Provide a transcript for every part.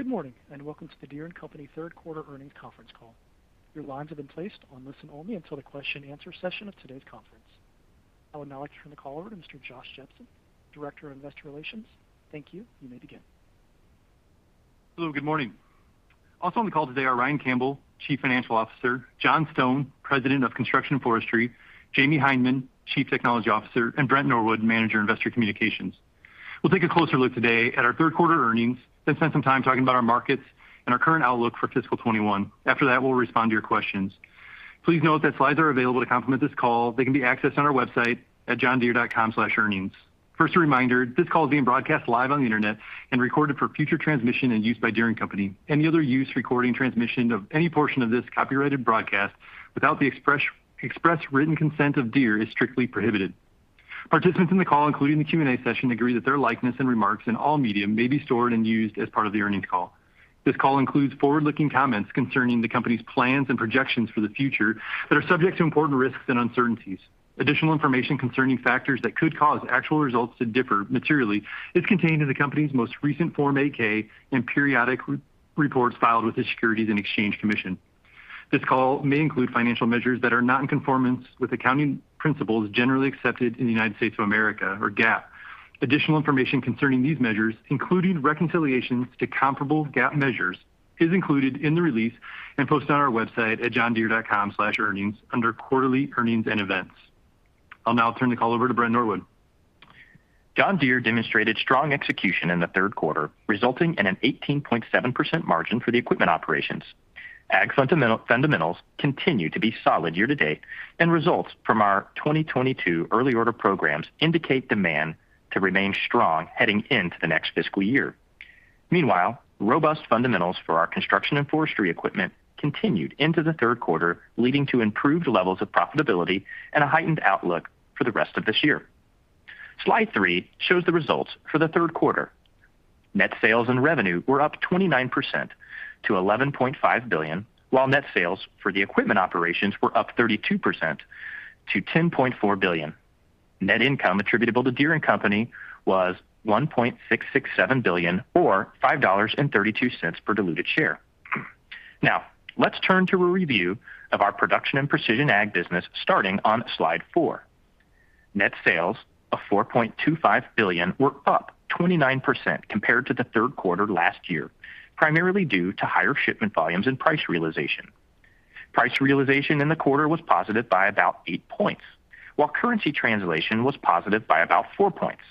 Good morning. Welcome to the Deere & Company third quarter earnings conference call. Your lines have been placed on listen only to the answer and question of today's conference. I would now like to turn the call over to Mr. Josh Jepsen, director of investor relations. Thank you. You may begin. Hello, good morning. Also on the call today are Ryan Campbell, Chief Financial Officer, John Stone, President of Construction and Forestry, Jahmy Hindman, Chief Technology Officer, and Brent Norwood, Manager Investor Communications. We'll take a closer look today at our third quarter earnings, then spend some time talking about our markets and our current outlook for fiscal 2021. After that, we'll respond to your questions. Please note that slides are available to complement this call. They can be accessed on our website at johndeere.com/earnings. First a reminder, this call is being broadcast live on the Internet and recorded for future transmission and use by Deere & Company. Any other use, recording, transmission of any portion of this copyrighted broadcast without the express written consent of Deere is strictly prohibited. Participants in the call, including the Q&A session, agree that their likeness and remarks in all medium may be stored and used as part of the earnings call. This call includes forward-looking comments concerning the company's plans and projections for the future that are subject to important risks and uncertainties. Additional information concerning factors that could cause actual results to differ materially is contained in the company's most recent Form 8-K and periodic reports filed with the Securities and Exchange Commission. This call may include financial measures that are not in conformance with accounting principles generally accepted in the United States of America, or GAAP. Additional information concerning these measures, including reconciliations to comparable GAAP measures, is included in the release and posted on our website at johndeere.com/earnings under quarterly earnings and events. I'll now turn the call over to Brent Norwood. John Deere demonstrated strong execution in the third quarter, resulting in an 18.7% margin for the equipment operations. Ag fundamentals continue to be solid year-to-date, results from our 2022 early order programs indicate demand to remain strong heading into the next fiscal year. Meanwhile, robust fundamentals for our Construction & Forestry equipment continued into the third quarter, leading to improved levels of profitability and a heightened outlook for the rest of this year. Slide three shows the results for the third quarter. Net sales and revenue were up 29% to $11.5 billion, while net sales for the equipment operations were up 32% to $10.4 billion. Net income attributable to Deere & Company was $1.667 billion or $5.32 per diluted share. Now, let's turn to a review of our production and precision ag business starting on slide four. Net sales of $4.25 billion were up 20% compared to the third quarter last year, primarily due to higher shipment volumes and price realization. Price realization in the quarter was positive by about eight points, while currency translation was positive by about four points.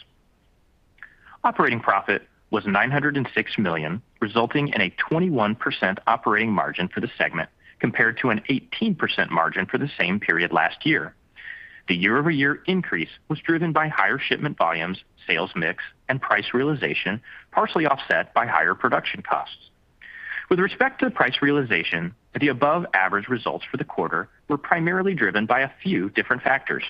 Operating profit was $906 million, resulting in a 21% operating margin for the segment compared to an 18% margin for the same period last year. The year-over-year increase was driven by higher shipment volumes, sales mix, and price realization, partially offset by higher production costs. With respect to the price realization, the above-average results for the quarter were primarily driven by a few different factors.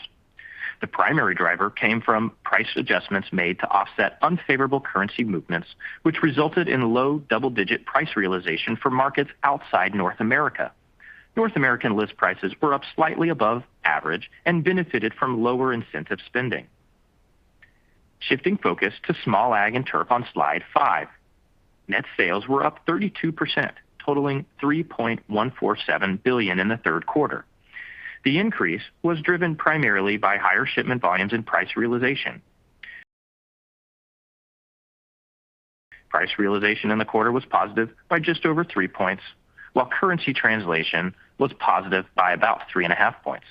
The primary driver came from price adjustments made to offset unfavorable currency movements, which resulted in low double-digit price realization for markets outside North America. North American list prices were up slightly above average and benefited from lower incentive spending. Shifting focus to small ag and turf on slide five. Net sales were up 32%, totaling $3.147 billion in the third quarter. The increase was driven primarily by higher shipment volumes and price realization. Price realization in the quarter was positive by just over three points, while currency translation was positive by about three and a half points.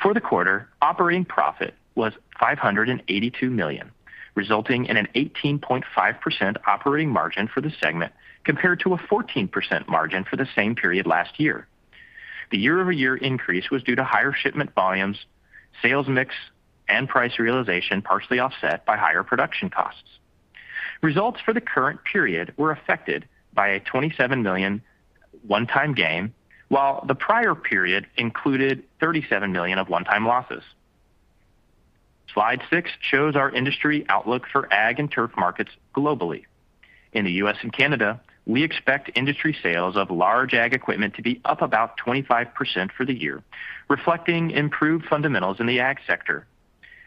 For the quarter, operating profit was $582 million, resulting in an 18.5% operating margin for the segment compared to a 14% margin for the same period last year. The year-over-year increase was due to higher shipment volumes, sales mix, and price realization, partially offset by higher production costs. Results for the current period were affected by a $27 million one-time gain, while the prior period included $37 million of one-time losses. Slide six shows our industry outlook for ag and turf markets globally. In the U.S. and Canada, we expect industry sales of large ag equipment to be up about 25% for the year, reflecting improved fundamentals in the ag sector.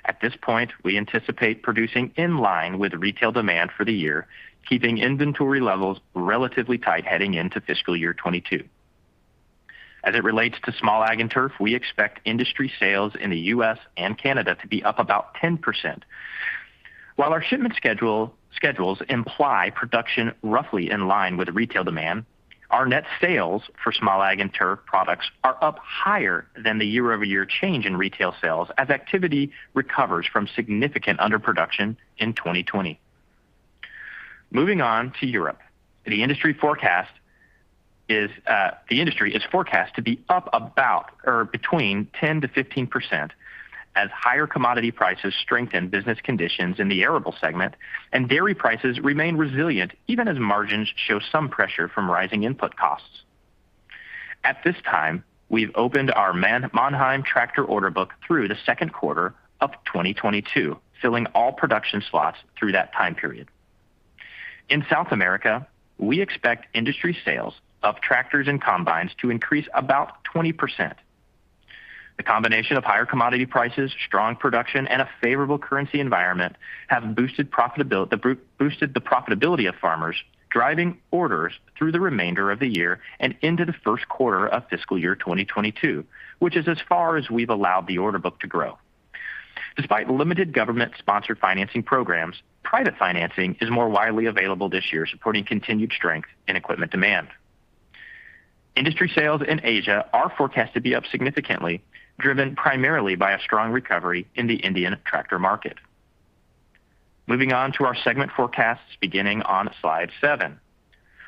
At this point, we anticipate producing in line with retail demand for the year, keeping inventory levels relatively tight heading into fiscal year 2022. As it relates to small ag and turf, we expect industry sales in the U.S. and Canada to be up about 10%. While our shipment schedules imply production roughly in line with retail demand, our net sales for small ag and turf products are up higher than the year-over-year change in retail sales as activity recovers from significant underproduction in 2020. Moving on to Europe. The industry is forecast to be up about or between 10%-15% as higher commodity prices strengthen business conditions in the arable segment and dairy prices remain resilient even as margins show some pressure from rising input costs. At this time, we've opened our Mannheim tractor order book through the second quarter of 2022, filling all production slots through that time period. In South America, we expect industry sales of tractors and combines to increase about 20%. The combination of higher commodity prices, strong production, and a favorable currency environment have boosted the profitability of farmers, driving orders through the remainder of the year and into the first quarter of fiscal year 2022, which is as far as we've allowed the order book to grow. Despite limited government-sponsored financing programs, private financing is more widely available this year, supporting continued strength in equipment demand. Industry sales in Asia are forecasted to be up significantly, driven primarily by a strong recovery in the Indian tractor market. Moving on to our segment forecasts, beginning on slide seven.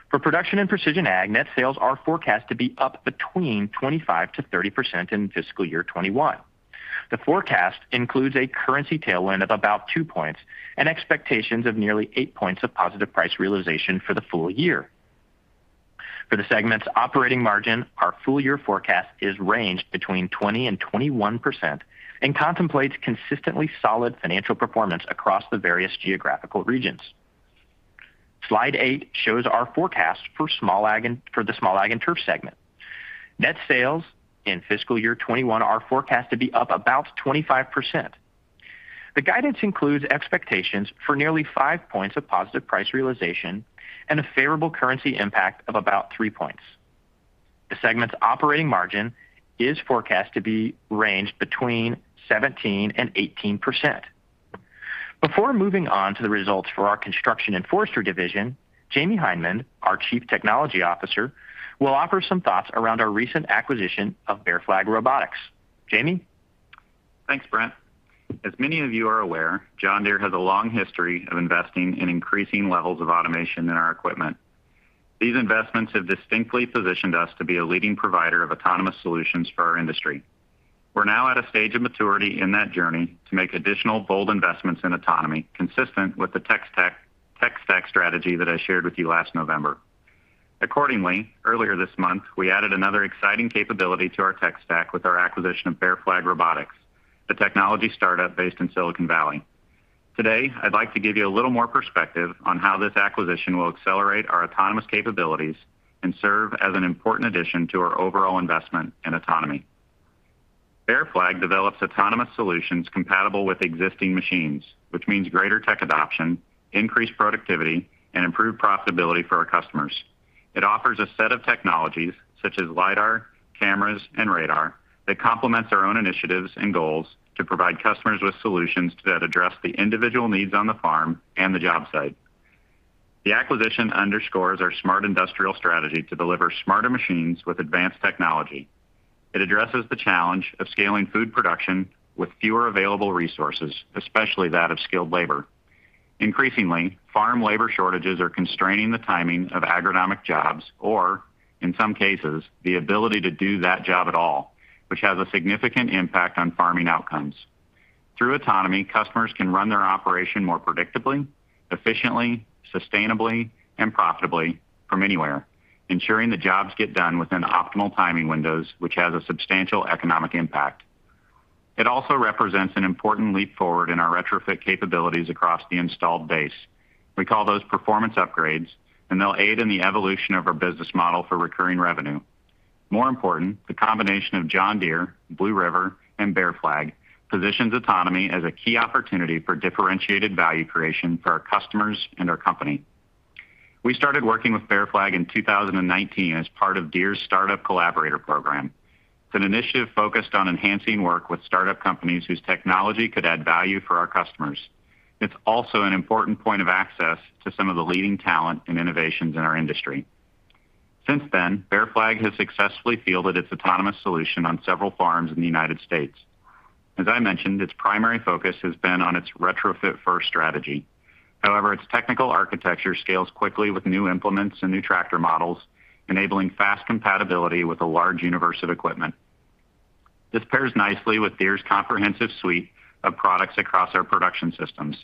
For Production and Precision Ag, net sales are forecast to be up between 25%-30% in fiscal year 2021. The forecast includes a currency tailwind of about two points and expectations of nearly eight points of positive price realization for the full year. For the segment's operating margin, our full-year forecast is ranged between 20% and 21% and contemplates consistently solid financial performance across the various geographical regions. Slide eight shows our forecast for the Small Ag and Turf segment. Net sales in fiscal year 2021 are forecast to be up about 25%. The guidance includes expectations for nearly five points of positive price realization and a favorable currency impact of about three points. The segment's operating margin is forecast to be ranged between 17% and 18%. Before moving on to the results for our Construction & Forestry division, Jahmy Hindman, our Chief Technology Officer, will offer some thoughts around our recent acquisition of Bear Flag Robotics. Jahmy? Thanks, Brent. As many of you are aware, John Deere has a long history of investing in increasing levels of automation in our equipment. These investments have distinctly positioned us to be a leading provider of autonomous solutions for our industry. We're now at a stage of maturity in that journey to make additional bold investments in autonomy consistent with the tech stack strategy that I shared with you last November. Accordingly, earlier this month, we added another exciting capability to our tech stack with our acquisition of Bear Flag Robotics, the technology startup based in Silicon Valley. Today, I'd like to give you a little more perspective on how this acquisition will accelerate our autonomous capabilities and serve as an important addition to our overall investment in autonomy. Bear Flag develops autonomous solutions compatible with existing machines, which means greater tech adoption, increased productivity, and improved profitability for our customers. It offers a set of technologies such as LIDAR, cameras, and radar that complements our own initiatives and goals to provide customers with solutions that address the individual needs on the farm and the job site. The acquisition underscores our Smart Industrial Strategy to deliver smarter machines with advanced technology. It addresses the challenge of scaling food production with fewer available resources, especially that of skilled labor. Increasingly, farm labor shortages are constraining the timing of agronomic jobs, or in some cases, the ability to do that job at all, which has a significant impact on farming outcomes. Through autonomy, customers can run their operation more predictably, efficiently, sustainably, and profitably from anywhere, ensuring the jobs get done within optimal timing windows, which has a substantial economic impact. It also represents an important leap forward in our retrofit capabilities across the installed base. We call those performance upgrades, and they'll aid in the evolution of our business model for recurring revenue. More important, the combination of John Deere, Blue River, and Bear Flag positions autonomy as a key opportunity for differentiated value creation for our customers and our company. We started working with Bear Flag in 2019 as part of Deere's Startup Collaborator Program. It's an initiative focused on enhancing work with startup companies whose technology could add value for our customers. It's also an important point of access to some of the leading talent and innovations in our industry. Since then, Bear Flag has successfully fielded its autonomous solution on several farms in the United States. As I mentioned, its primary focus has been on its retrofit-first strategy. However, its technical architecture scales quickly with new implements and new tractor models, enabling fast compatibility with a large universe of equipment. This pairs nicely with Deere's comprehensive suite of products across our production systems.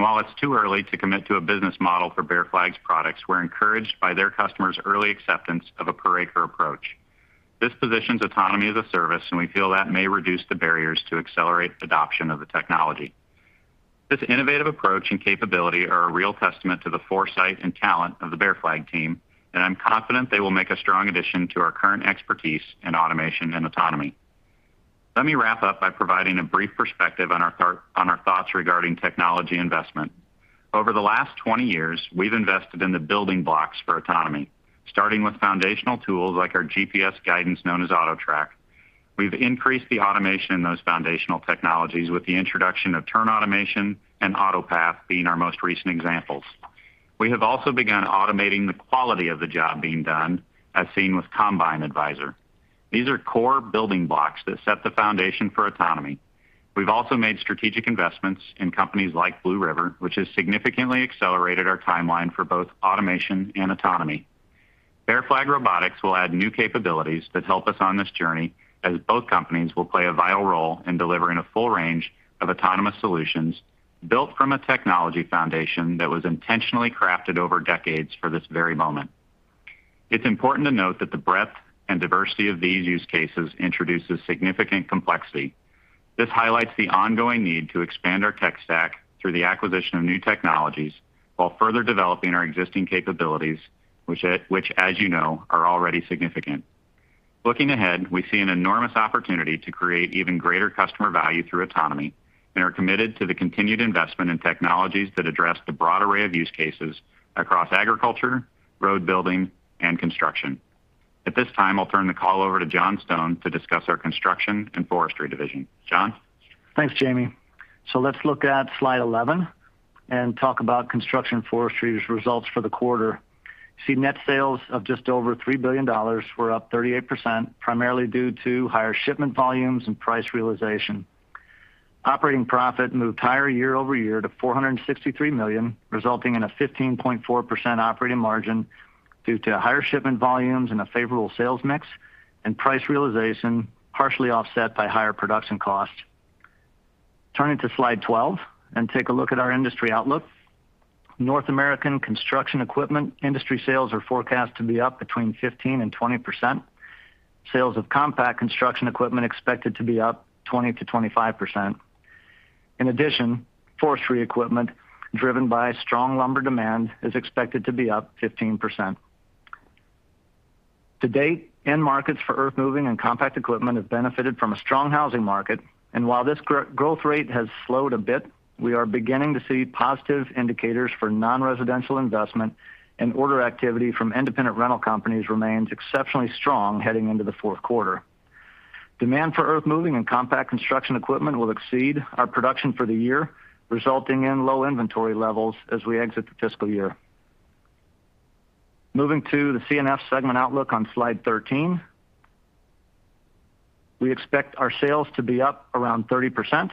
While it's too early to commit to a business model for Bear Flag's products, we're encouraged by their customers' early acceptance of a per acre approach. This positions autonomy as a service, we feel that may reduce the barriers to accelerate adoption of the technology. This innovative approach and capability are a real testament to the foresight and talent of the Bear Flag team, I'm confident they will make a strong addition to our current expertise in automation and autonomy. Let me wrap up by providing a brief perspective on our thoughts regarding technology investment. Over the last 20 years, we've invested in the building blocks for autonomy, starting with foundational tools like our GPS guidance, known as AutoTrac. We've increased the automation in those foundational technologies with the introduction of turn automation and AutoPath being our most recent examples. We have also begun automating the quality of the job being done as seen with Combine Advisor. These are core building blocks that set the foundation for autonomy. We've also made strategic investments in companies like Blue River, which has significantly accelerated our timeline for both automation and autonomy. Bear Flag Robotics will add new capabilities that help us on this journey as both companies will play a vital role in delivering a full range of autonomous solutions built from a technology foundation that was intentionally crafted over decades for this very moment. It's important to note that the breadth and diversity of these use cases introduces significant complexity. This highlights the ongoing need to expand our tech stack through the acquisition of new technologies, while further developing our existing capabilities, which as you know, are already significant. Looking ahead, we see an enormous opportunity to create even greater customer value through autonomy and are committed to the continued investment in technologies that address the broad array of use cases across agriculture, road building, and construction. At this time, I'll turn the call over to John Stone to discuss our construction and forestry division. John. Thanks, Jahmy. Let's look at slide 11 and talk about Construction and Forestry's results for the quarter. You see net sales of just over $3 billion were up 38%, primarily due to higher shipment volumes and price realization. Operating profit moved higher year-over-year to $463 million, resulting in a 15.4% operating margin due to higher shipment volumes and a favorable sales mix and price realization partially offset by higher production costs. Turning to slide 12 and take a look at our industry outlook. North American construction equipment industry sales are forecast to be up between 15% and 20%. Sales of compact construction equipment expected to be up 20%-25%. In addition, forestry equipment driven by strong lumber demand is expected to be up 15%. To date, end markets for earthmoving and compact equipment have benefited from a strong housing market. While this growth rate has slowed a bit, we are beginning to see positive indicators for non-residential investment and order activity from independent rental companies remains exceptionally strong heading into the fourth quarter. Demand for earthmoving and compact construction equipment will exceed our production for the year, resulting in low inventory levels as we exit the fiscal year. Moving to the C&F segment outlook on slide 13. We expect our sales to be up around 30%.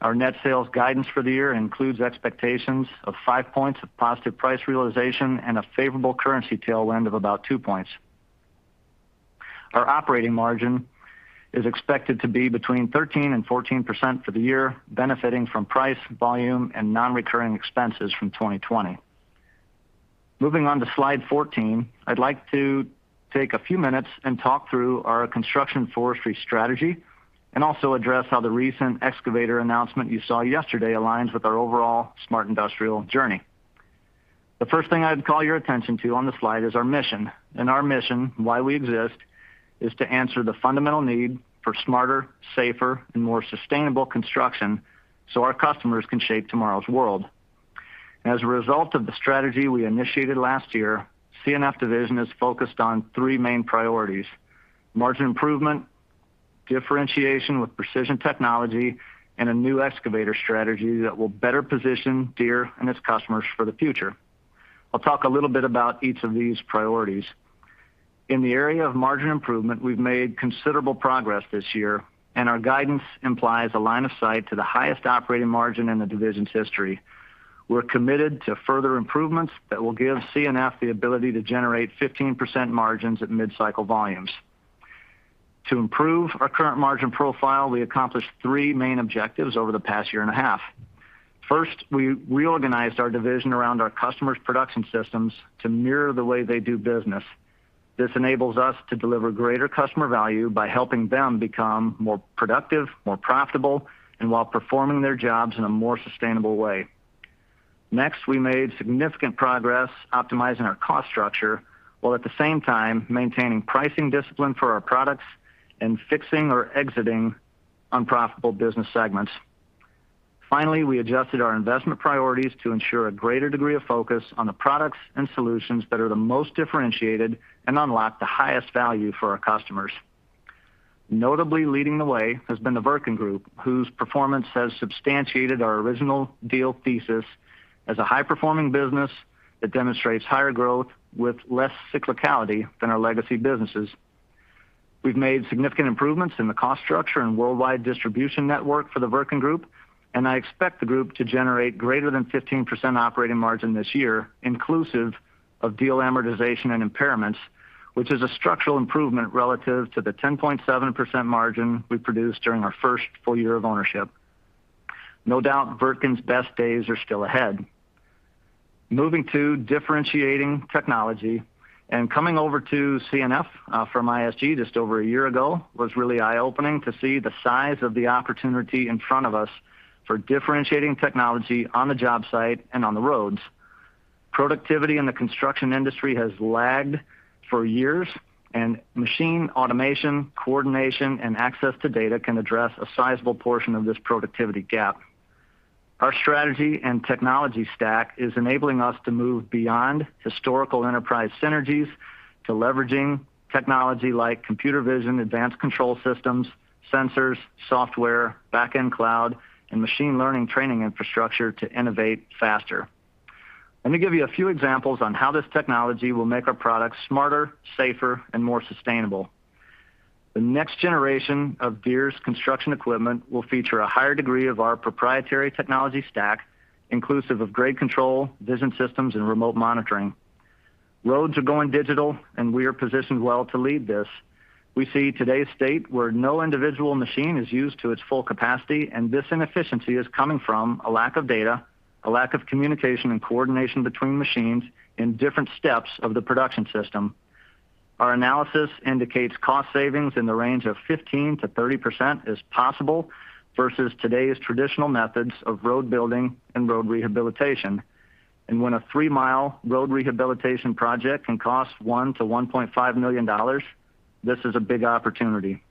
Our net sales guidance for the year includes expectations of five points of positive price realization and a favorable currency tailwind of about two points. Our operating margin is expected to be between 13% and 14% for the year, benefiting from price, volume, and non-recurring expenses from 2020. Moving on to slide 14, I'd like to take a few minutes and talk through our Construction & Forestry strategy and also address how the recent excavator announcement you saw yesterday aligns with our overall Smart Industrial journey. The first thing I'd call your attention to on the slide is our mission. Our mission, why we exist, is to answer the fundamental need for smarter, safer, and more sustainable construction so our customers can shape tomorrow's world. As a result of the strategy we initiated last year, C&F division is focused on three main priorities: margin improvement, differentiation with precision technology, and a new excavator strategy that will better position Deere and its customers for the future. I'll talk a little bit about each of these priorities. In the area of margin improvement, we've made considerable progress this year, and our guidance implies a line of sight to the highest operating margin in the division's history. We're committed to further improvements that will give C&F the ability to generate 15% margins at mid-cycle volumes. To improve our current margin profile, we accomplished three main objectives over the past year and a half. First, we reorganized our division around our customers' production systems to mirror the way they do business. This enables us to deliver greater customer value by helping them become more productive, more profitable, and while performing their jobs in a more sustainable way. Next, we made significant progress optimizing our cost structure, while at the same time maintaining pricing discipline for our products and fixing or exiting unprofitable business segments. Finally, we adjusted our investment priorities to ensure a greater degree of focus on the products and solutions that are the most differentiated and unlock the highest value for our customers. Notably leading the way has been the Wirtgen Group, whose performance has substantiated our original deal thesis as a high-performing business that demonstrates higher growth with less cyclicality than our legacy businesses. We've made significant improvements in the cost structure and worldwide distribution network for the Wirtgen Group, and I expect the group to generate greater than 15% operating margin this year, inclusive of deal amortization and impairments, which is a structural improvement relative to the 10.7% margin we produced during our first full year of ownership. No doubt Wirtgen's best days are still ahead. Moving to differentiating technology and coming over to C&F from ISG just over a year ago was really eye-opening to see the size of the opportunity in front of us for differentiating technology on the job site and on the roads. Productivity in the construction industry has lagged for years, and machine automation, coordination, and access to data can address a sizable portion of this productivity gap. Our strategy and technology stack is enabling us to move beyond historical enterprise synergies to leveraging technology like computer vision, advanced control systems, sensors, software, back-end cloud, and machine learning training infrastructure to innovate faster. Let me give you a few examples on how this technology will make our products smarter, safer, and more sustainable. The next generation of Deere's construction equipment will feature a higher degree of our proprietary technology stack, inclusive of grade control, vision systems, and remote monitoring. Roads are going digital, and we are positioned well to lead this. We see today's state where no individual machine is used to its full capacity, and this inefficiency is coming from a lack of data, a lack of communication and coordination between machines in different steps of the production system. Our analysis indicates cost savings in the range of 15%-30% is possible versus today's traditional methods of road building and road rehabilitation. When a three-mile road rehabilitation project can cost $1 million-$1.5 million, this is a big opportunity.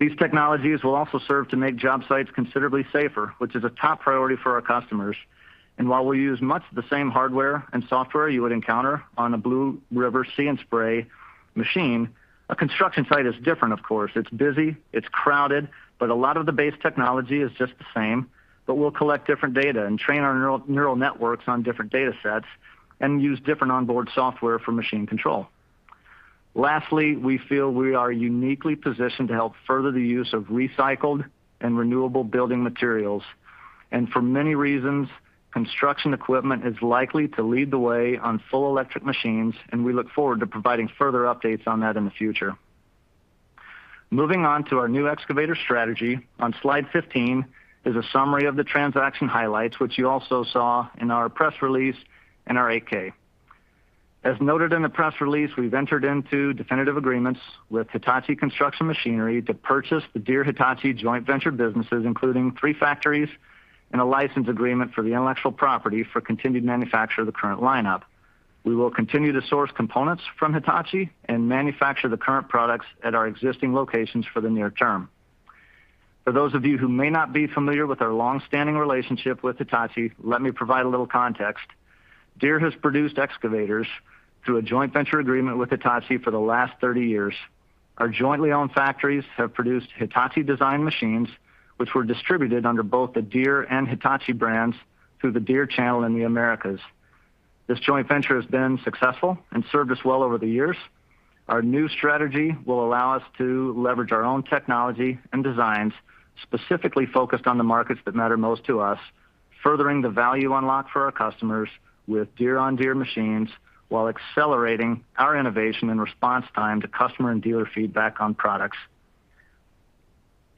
These technologies will also serve to make job sites considerably safer, which is a top priority for our customers. While we use much of the same hardware and software you would encounter on a Blue River See & Spray machine, a construction site is different, of course. It's busy, it's crowded, but a lot of the base technology is just the same, but we'll collect different data and train our neural networks on different data sets and use different onboard software for machine control. Lastly, we feel we are uniquely positioned to help further the use of recycled and renewable building materials. For many reasons, construction equipment is likely to lead the way on full electric machines, and we look forward to providing further updates on that in the future. Moving on to our new excavator strategy. On slide 15 is a summary of the transaction highlights, which you also saw in our press release and our Form 8-K. As noted in the press release, we've entered into definitive agreements with Hitachi Construction Machinery to purchase the Deere-Hitachi joint venture businesses, including three factories and a license agreement for the intellectual property for continued manufacture of the current lineup. We will continue to source components from Hitachi and manufacture the current products at our existing locations for the near term. For those of you who may not be familiar with our longstanding relationship with Hitachi, let me provide a little context. Deere has produced excavators through a joint venture agreement with Hitachi for the last 30 years. Our jointly owned factories have produced Hitachi-designed machines, which were distributed under both the Deere and Hitachi brands through the Deere channel in the Americas. This joint venture has been successful and served us well over the years. Our new strategy will allow us to leverage our own technology and designs, specifically focused on the markets that matter most to us, furthering the value unlocked for our customers with Deere on Deere machines, while accelerating our innovation and response time to customer and dealer feedback on products.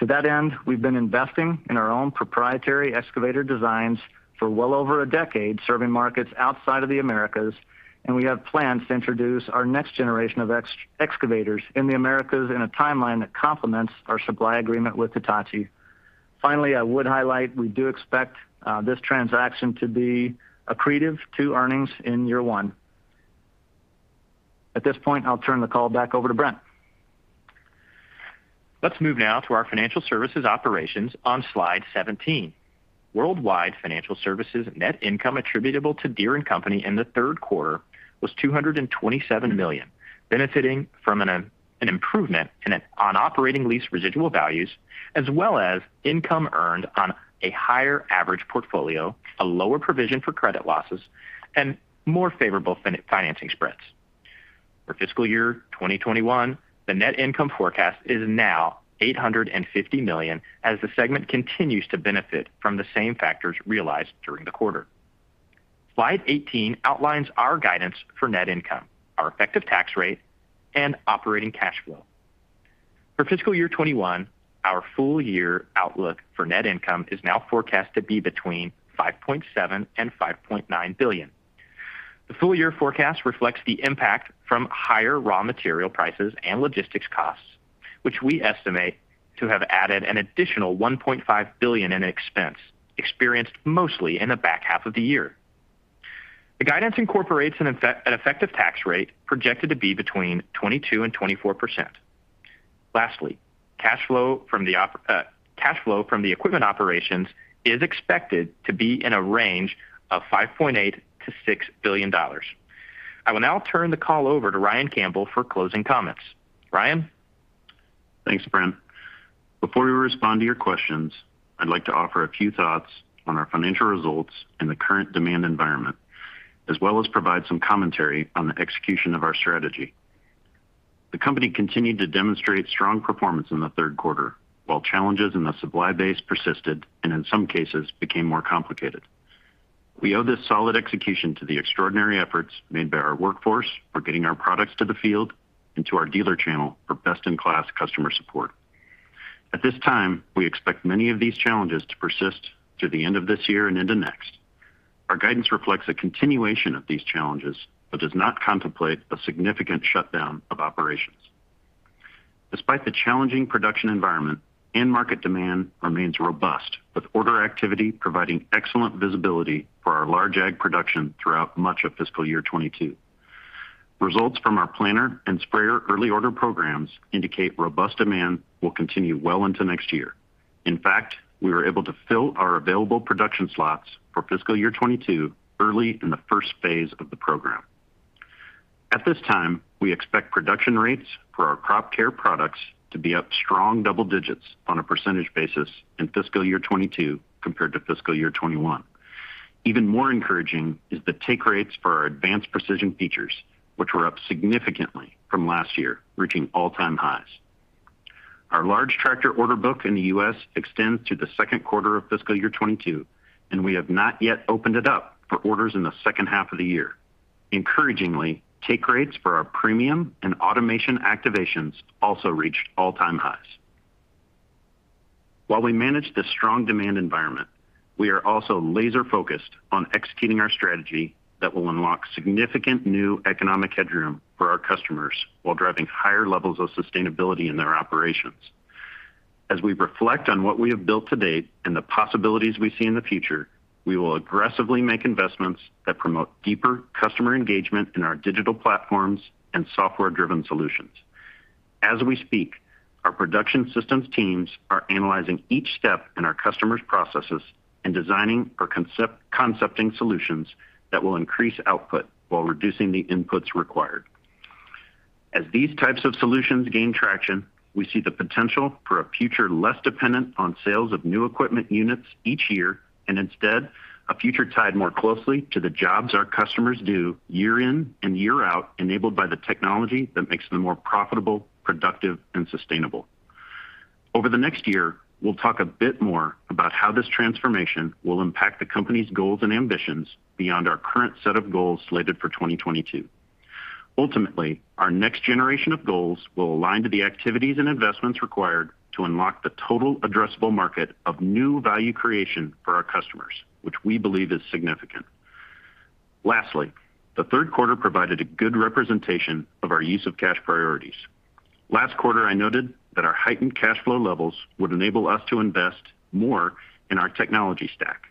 To that end, we've been investing in our own proprietary excavator designs for well over a decade, serving markets outside of the Americas, and we have plans to introduce our next generation of excavators in the Americas in a timeline that complements our supply agreement with Hitachi. Finally, I would highlight we do expect this transaction to be accretive to earnings in year one. At this point, I'll turn the call back over to Brent. Let's move now to our financial services operations on slide 17. Worldwide financial services net income attributable to Deere & Company in the third quarter was $227 million, benefiting from an improvement on operating lease residual values, as well as income earned on a higher average portfolio, a lower provision for credit losses, and more favorable financing spreads. For fiscal year 2021, the net income forecast is now $850 million as the segment continues to benefit from the same factors realized during the quarter. Slide 18 outlines our guidance for net income, our effective tax rate, and operating cash flow. For fiscal year 2021, our full year outlook for net income is now forecast to be between $5.7 billion and $5.9 billion. The full-year forecast reflects the impact from higher raw material prices and logistics costs, which we estimate to have added an additional $1.5 billion in expense, experienced mostly in the back half of the year. The guidance incorporates an effective tax rate projected to be between 22% and 24%. Lastly, cash flow from the equipment operations is expected to be in a range of $5.8 billion-$6 billion. I will now turn the call over to Ryan Campbell for closing comments. Ryan? Thanks, Brent. Before we respond to your questions, I'd like to offer a few thoughts on our financial results and the current demand environment, as well as provide some commentary on the execution of our strategy. The company continued to demonstrate strong performance in the third quarter, while challenges in the supply base persisted and in some cases became more complicated. We owe this solid execution to the extraordinary efforts made by our workforce for getting our products to the field and to our dealer channel for best-in-class customer support. At this time, we expect many of these challenges to persist through the end of this year and into next. Our guidance reflects a continuation of these challenges but does not contemplate a significant shutdown of operations. Despite the challenging production environment, end market demand remains robust, with order activity providing excellent visibility for our large ag production throughout much of fiscal year 2022. Results from our planter and sprayer early order programs indicate robust demand will continue well into next year. In fact, we were able to fill our available production slots for fiscal year 2022 early in the first phase of the program. At this time, we expect production rates for our crop care products to be up strong double digits on a percentage basis in fiscal year 2022 compared to fiscal year 2021. Even more encouraging is the take rates for our advanced precision features, which were up significantly from last year, reaching all-time highs. Our large tractor order book in the U.S. extends to the second quarter of fiscal year 2022, and we have not yet opened it up for orders in the second half of the year. Encouragingly, take rates for our premium and automation activations also reached all-time highs. While we manage this strong demand environment, we are also laser-focused on executing our strategy that will unlock significant new economic headroom for our customers while driving higher levels of sustainability in their operations. As we reflect on what we have built to date and the possibilities we see in the future, we will aggressively make investments that promote deeper customer engagement in our digital platforms and software-driven solutions. As we speak, our production systems teams are analyzing each step in our customers' processes and designing or concepting solutions that will increase output while reducing the inputs required. As these types of solutions gain traction, we see the potential for a future less dependent on sales of new equipment units each year, and instead, a future tied more closely to the jobs our customers do year in and year out, enabled by the technology that makes them more profitable, productive, and sustainable. Over the next year, we'll talk a bit more about how this transformation will impact the company's goals and ambitions beyond our current set of goals slated for 2022. Ultimately, our next generation of goals will align to the activities and investments required to unlock the total addressable market of new value creation for our customers, which we believe is significant. Lastly, the third quarter provided a good representation of our use of cash priorities. Last quarter, I noted that our heightened cash flow levels would enable us to invest more in our technology stack,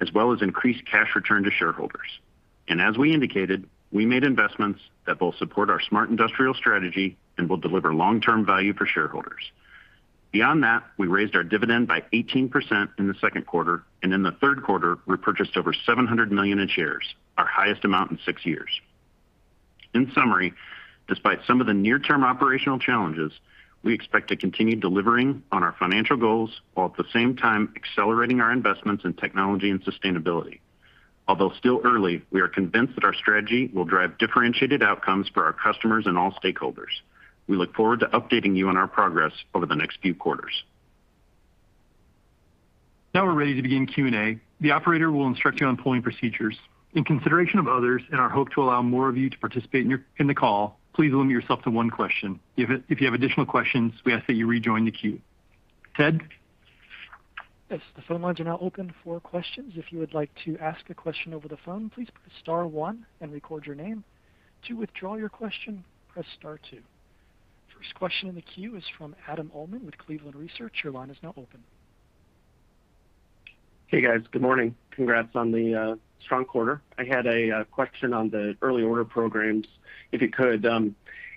as well as increase cash return to shareholders. As we indicated, we made investments that both support our Smart Industrial Strategy and will deliver long-term value for shareholders. Beyond that, we raised our dividend by 18% in the second quarter, and in the third quarter, we purchased over $700 million in shares, our highest amount in six years. In summary, despite some of the near-term operational challenges, we expect to continue delivering on our financial goals while at the same time accelerating our investments in technology and sustainability. Although still early, we are convinced that our strategy will drive differentiated outcomes for our customers and all stakeholders. We look forward to updating you on our progress over the next few quarters. Now we're ready to begin Q&A. The operator will instruct you on polling procedures. In consideration of others and our hope to allow more of you to participate in the call, please limit yourself to one question. If you have additional questions, we ask that you rejoin the queue. Ted? Now we are open for questions. If you'd like to ask a question over the phone, please press star one and record your name. To withdraw your question, press star two. First question in the queue is from Adam Uhlman with Cleveland Research. Your line is now open. Hey, guys. Good morning. Congrats on the strong quarter. I had a question on the early order programs. If you could,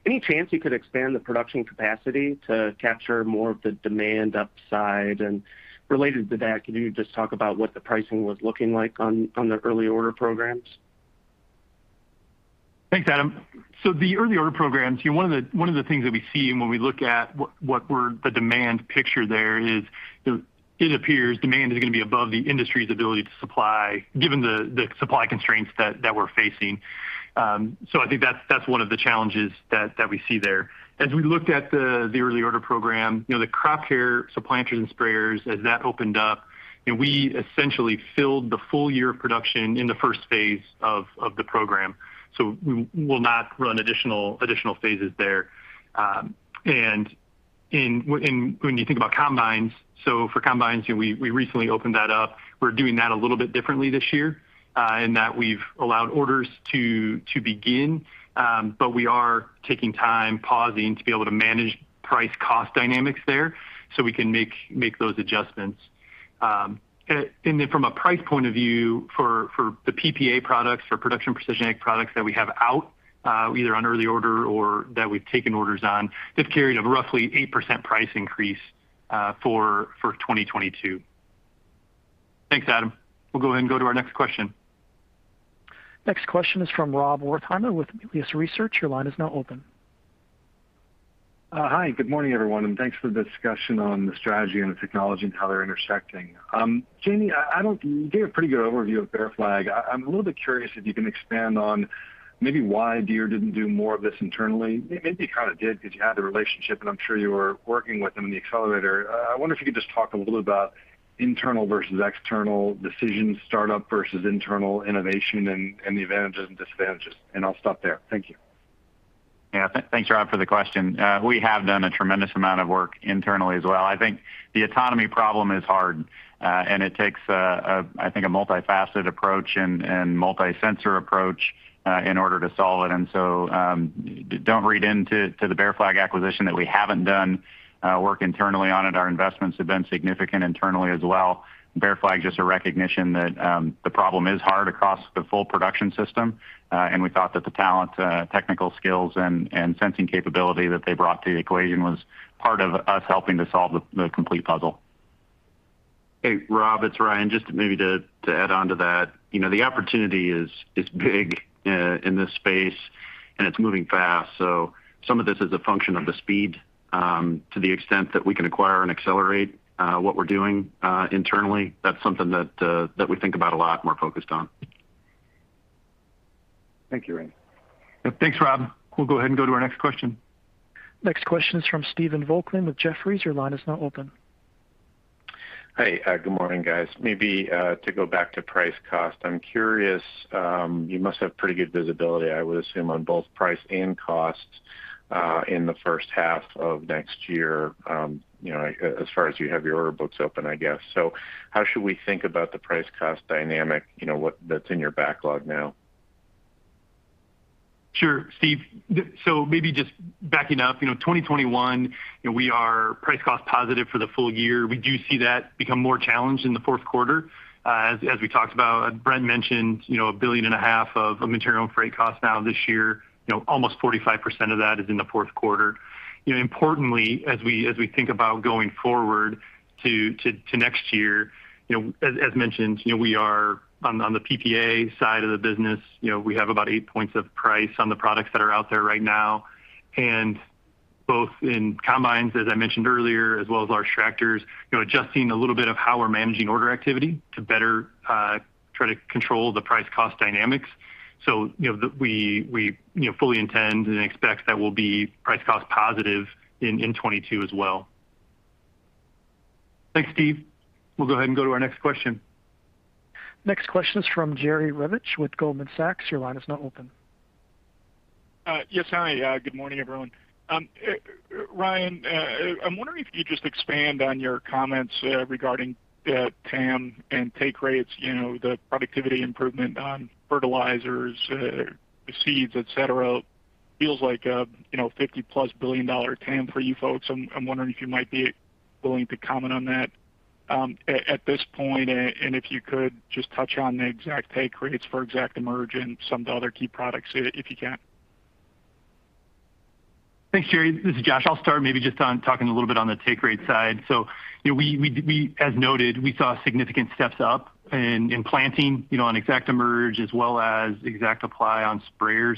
any chance you could expand the production capacity to capture more of the demand upside? Related to that, could you just talk about what the pricing was looking like on the early order programs? Thanks, Adam. The early order programs, one of the things that we see when we look at the demand picture there is it appears demand is going to be above the industry's ability to supply, given the supply constraints that we're facing. I think that's one of the challenges that we see there. As we looked at the early order program, the crop care, so planters and sprayers, as that opened up, we essentially filled the full year of production in the first phase of the program. We will not run additional phases there. When you think about combines, for combines, we recently opened that up. We're doing that a little bit differently this year, in that we've allowed orders to begin. We are taking time, pausing to be able to manage price-cost dynamics there so we can make those adjustments. From a price point of view, for the PPA products or Production Precision Ag products that we have out, either on early order or that we've taken orders on, they've carried a roughly 8% price increase for 2022. Thanks, Adam. We'll go ahead and go to our next question. Next question is from Rob Wertheimer with Melius Research. Your line is now open. Hi. Good morning, everyone, and thanks for the discussion on the strategy and the technology and how they're intersecting. Jahmy, you gave a pretty good overview of Bear Flag. I'm a little bit curious if you can expand on maybe why Deere didn't do more of this internally. Maybe you kind of did because you had the relationship, and I'm sure you were working with them in the accelerator. I wonder if you could just talk a little about internal versus external decisions, startup versus internal innovation, and the advantages and disadvantages. I'll stop there. Thank you. Yeah. Thanks, Rob, for the question. We have done a tremendous amount of work internally as well. I think the autonomy problem is hard. It takes, I think, a multi-faceted approach and multi-sensor approach in order to solve it. Don't read into the Bear Flag acquisition that we haven't done work internally on it. Our investments have been significant internally as well. Bear Flag, just a recognition that the problem is hard across the full production system. We thought that the talent, technical skills, and sensing capability that they brought to the equation was part of us helping to solve the complete puzzle. Hey, Rob, it's Ryan. Just maybe to add onto that. The opportunity is big in this space and it's moving fast. Some of this is a function of the speed to the extent that we can acquire and accelerate what we're doing internally. That's something that we think about a lot and we're focused on. Thank you, Ryan. Thanks, Rob. We'll go ahead and go to our next question. Next question is from Stephen Volkmann with Jefferies. Your line is now open. Hi, good morning, guys. To go back to price cost, I'm curious, you must have pretty good visibility, I would assume, on both price and cost in the first half of next year as far as you have your order books open. How should we think about the price cost dynamic, what that's in your backlog now? Sure, Steve. Maybe just backing up, 2021, we are price cost positive for the full year. We do see that become more challenged in the fourth quarter. As we talked about, Brent mentioned a billion and a half of material and freight costs now this year. Almost 45% of that is in the fourth quarter. Importantly, as we think about going forward to next year, as mentioned, on the PPA side of the business, we have about eight points of price on the products that are out there right now, and both in combines, as I mentioned earlier, as well as large tractors, adjusting a little bit of how we're managing order activity to better try to control the price cost dynamics. We fully intend and expect that we'll be price cost positive in 2022 as well. Thanks, Steve. We'll go ahead and go to our next question. Next question is from Jerry Revich with Goldman Sachs. Your line is now open. Yes, hi. Good morning, everyone. Ryan, I'm wondering if you could just expand on your comments regarding TAM and take rates, the productivity improvement on fertilizers, seeds, et cetera. Feels like a $50+ billion TAM for you folks. I'm wondering if you might be willing to comment on that at this point, and if you could just touch on the exact take rates for ExactEmerge and some of the other key products, if you can. Thanks, Jerry. This is Josh. I'll start maybe just on talking a little bit on the take rate side. As noted, we saw significant steps up in planting on ExactEmerge as well as ExactApply on sprayers.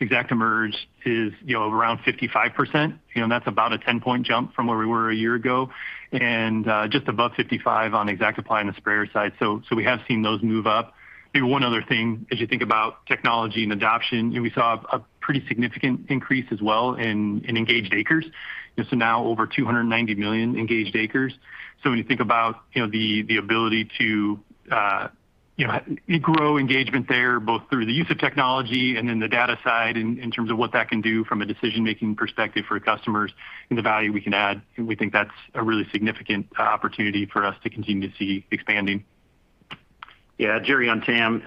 ExactEmerge is around 55%. That's about a 10-point jump from where we were a year ago, and just above 55 on ExactApply on the sprayer side. We have seen those move up. Maybe one other thing, as you think about technology and adoption, we saw a pretty significant increase as well in engaged acres, so now over 290 million engaged acres. When you think about the ability to grow engagement there, both through the use of technology and then the data side in terms of what that can do from a decision-making perspective for customers and the value we can add, we think that's a really significant opportunity for us to continue to see expanding. Yeah, Jerry, on TAM,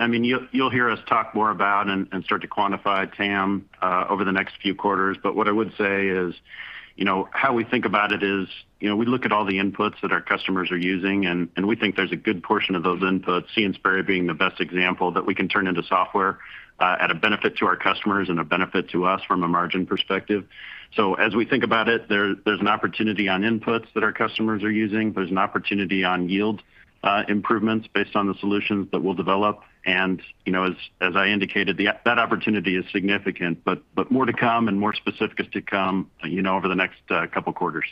you'll hear us talk more about and start to quantify TAM over the next few quarters. What I would say is, how we think about it is, we look at all the inputs that our customers are using, and we think there's a good portion of those inputs, See & Spray being the best example, that we can turn into software at a benefit to our customers and a benefit to us from a margin perspective. As we think about it, there's an opportunity on inputs that our customers are using. There's an opportunity on yield improvements based on the solutions that we'll develop. As I indicated, that opportunity is significant. More to come and more specifics to come over the next couple of quarters.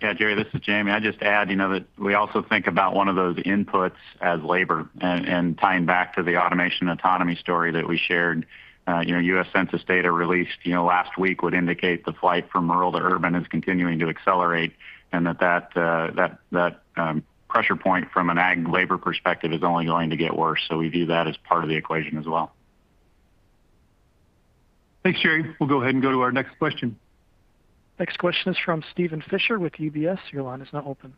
Jerry, this is Jamie. I'd just add that we also think about one of those inputs as labor, and tying back to the automation autonomy story that we shared. U.S. Census data released last week would indicate the flight from rural to urban is continuing to accelerate, and that pressure point from an ag labor perspective is only going to get worse. We view that as part of the equation as well. Thanks, Jerry. We'll go ahead and go to our next question. Next question is from Steven Fisher with UBS. Your line is now open.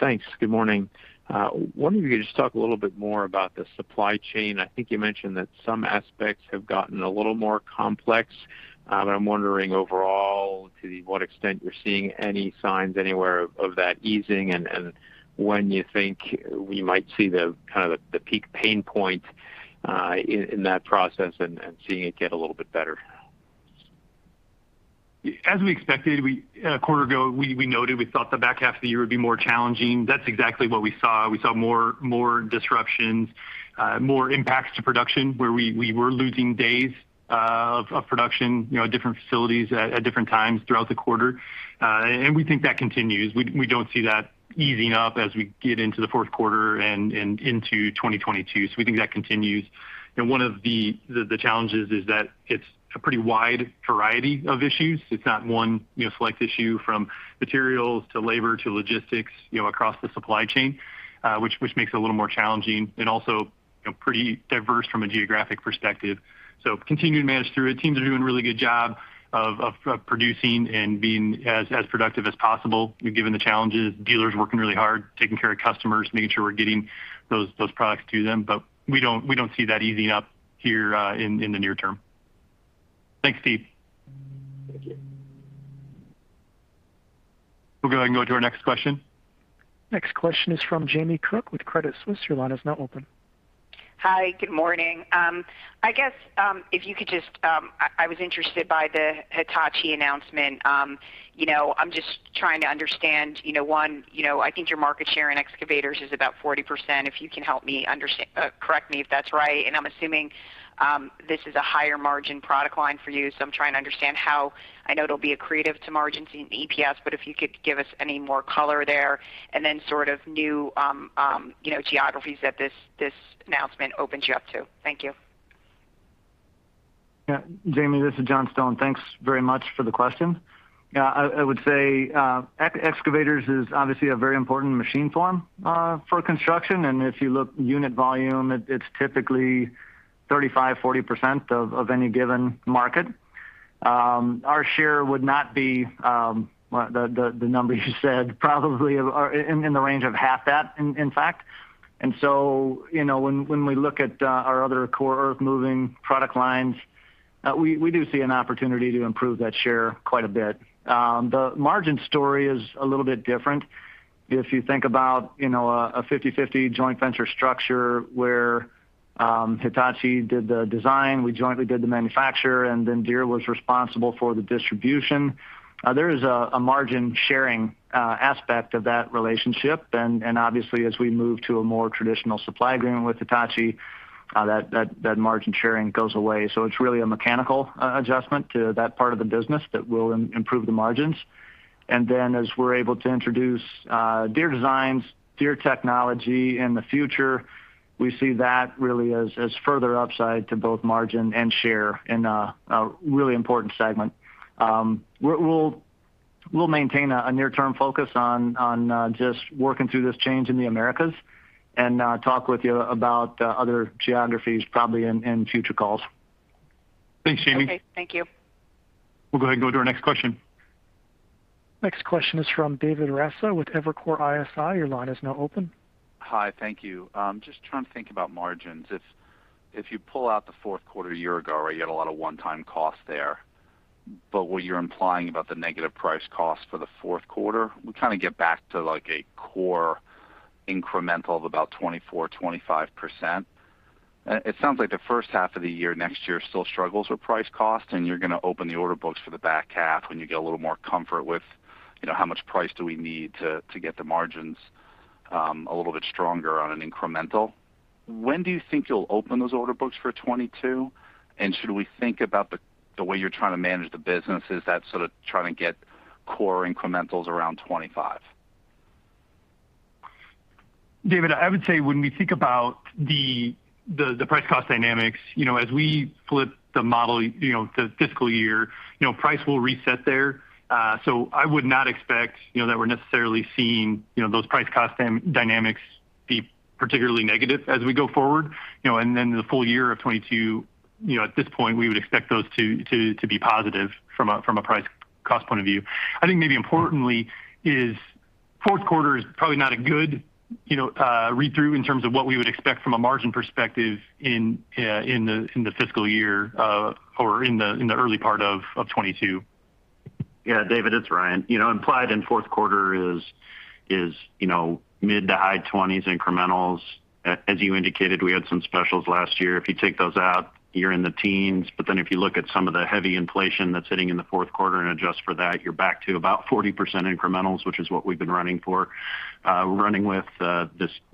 Thanks. Good morning. I wonder if you could just talk a little bit more about the supply chain? I think you mentioned that some aspects have gotten a little more complex, I'm wondering overall to what extent you're seeing any signs anywhere of that easing, and when you think we might see the peak pain point in that process and seeing it get a little bit better? As we expected, a quarter ago, we noted we thought the back half of the year would be more challenging. That's exactly what we saw. We saw more disruptions, more impacts to production where we were losing days of production at different facilities at different times throughout the quarter. We think that continues. We don't see that easing up as we get into the fourth quarter and into 2022. We think that continues. One of the challenges is that it's a pretty wide variety of issues. It's not one select issue from materials to labor to logistics across the supply chain, which makes it a little more challenging. Also pretty diverse from a geographic perspective. Continuing to manage through it. Teams are doing a really good job of producing and being as productive as possible given the challenges. Dealers working really hard, taking care of customers, making sure we're getting those products to them. We don't see that easing up here in the near term. Thanks, Steve. Thank you. We'll go ahead and go to our next question. Next question is from Jamie Cook with Credit Suisse. Your line is now open. Hi. Good morning. I was interested by the Hitachi announcement. I'm just trying to understand, one, I think your market share in excavators is about 40%. If you can help me understand. Correct me if that's right. I'm assuming this is a higher margin product line for you, so I'm trying to understand how. I know it'll be accretive to margins in EPS, but if you could give us any more color there, and then sort of new geographies that this announcement opens you up to. Thank you. Jamie, this is John Stone. Thanks very much for the question. I would say excavators is obviously a very important machine form for construction, and if you look unit volume, it's typically 35%-40% of any given market. Our share would not be the number you said probably in the range of half that, in fact. So when we look at our other core Earth-moving product lines, we do see an opportunity to improve that share quite a bit. The margin story is a little bit different. If you think about a 50/50 joint venture structure where Hitachi did the design, we jointly did the manufacture, and then Deere was responsible for the distribution. There is a margin-sharing aspect of that relationship. Obviously as we move to a more traditional supply agreement with Hitachi, that margin sharing goes away. It's really a mechanical adjustment to that part of the business that will improve the margins. As we're able to introduce Deere designs, Deere technology in the future, we see that really as further upside to both margin and share in a really important segment. We'll maintain a near-term focus on just working through this change in the Americas and talk with you about other geographies probably in future calls. Thanks, Jamie. Okay, thank you. We'll go ahead and go to our next question. Next question is from David Raso with Evercore ISI. Hi, thank you. I'm just trying to think about margins. If you pull out the fourth quarter a year ago where you had a lot of one-time costs there, but what you're implying about the negative price cost for the fourth quarter, we kind of get back to like a core incremental of about 24%, 25%. It sounds like the first half of the year next year still struggles with price cost and you're going to open the order books for the back half when you get a little more comfort with how much price do we need to get the margins a little bit stronger on an incremental. When do you think you'll open those order books for 2022? Should we think about the way you're trying to manage the business is that sort of trying to get core incrementals around 25%? David, I would say when we think about the price cost dynamics as we flip the model the fiscal year, price will reset there. I would not expect that we're necessarily seeing those price cost dynamics be particularly negative as we go forward. The full year of 2022, at this point we would expect those to be positive from a price cost point of view. I think maybe importantly is fourth quarter is probably not a good read-through in terms of what we would expect from a margin perspective in the fiscal year or in the early part of 2022. Yeah. David, it's Ryan Campbell. Implied in fourth quarter is mid to high 20s incrementals. As you indicated, we had some specials last year. If you take those out, you're in the teens. If you look at some of the heavy inflation that's hitting in the fourth quarter and adjust for that, you're back to about 40% incrementals, which is what we've been running with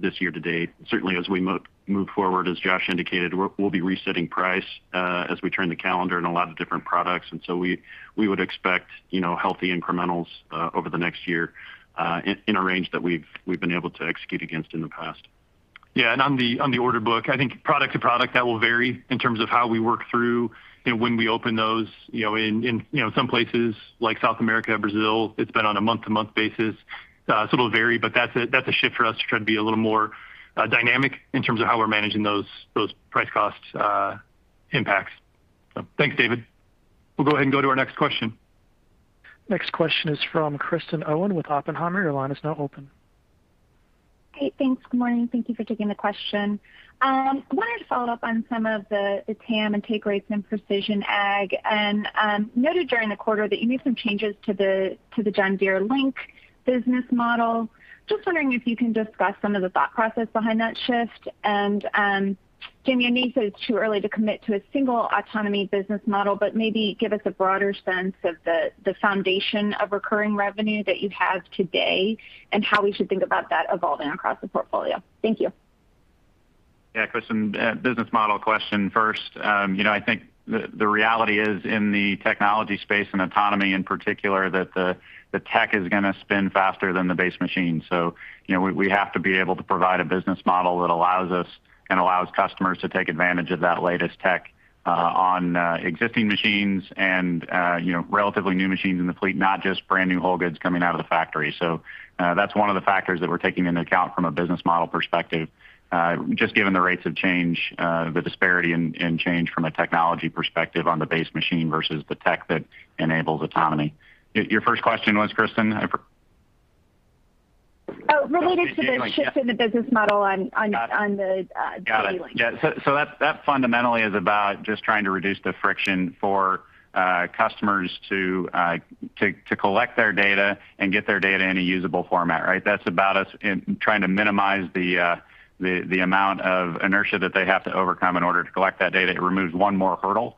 this year to date. Certainly as we move forward, as Josh indicated, we'll be resetting price as we turn the calendar in a lot of different products. We would expect healthy incrementals over the next year in a range that we've been able to execute against in the past. Yeah. On the order book, I think product to product that will vary in terms of how we work through when we open those. In some places like South America, Brazil, it's been on a month-to-month basis. It'll vary, but that's a shift for us to try to be a little more dynamic in terms of how we're managing those price cost impacts. Thanks, David. We'll go ahead and go to our next question. Next question is from Kristen Owen with Oppenheimer. Your line is now open. Hey, thanks. Good morning. Thank you for taking the question. Wanted to follow up on some of the TAM and take rates in Precision Ag, and noted during the quarter that you made some changes to the JDLink business model. Just wondering if you can discuss some of the thought process behind that shift. Jahmy, I know you said it's too early to commit to a single autonomy business model, but maybe give us a broader sense of the foundation of recurring revenue that you have today and how we should think about that evolving across the portfolio. Thank you. Yeah, Kristen. Business model question first. I think the reality is in the technology space and autonomy in particular, that the tech is going to spin faster than the base machine. We have to be able to provide a business model that allows us and allows customers to take advantage of that latest tech on existing machines and relatively new machines in the fleet, not just brand new whole goods coming out of the factory. That's one of the factors that we're taking into account from a business model perspective. Just given the rates of change, the disparity in change from a technology perspective on the base machine versus the tech that enables autonomy. Your first question was, Kristen? Oh, related to the shift in the business model on the. Got it. Yeah. That fundamentally is about just trying to reduce the friction for customers to collect their data and get their data in a usable format, right? That's about us trying to minimize the amount of inertia that they have to overcome in order to collect that data. It removes one more hurdle